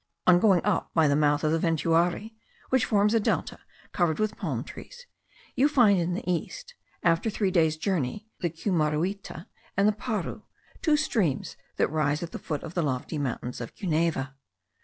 On going up by the mouth of the Ventuari, which forms a delta covered with palm trees, you find in the east, after three days' journey, the Cumaruita and the Paru, two streams that rise at the foot of the lofty mountains of Cuneva.